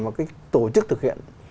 và cái tổ chức thực hiện